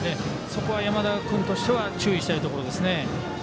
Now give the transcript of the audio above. そこは山田君としては注意したいところです。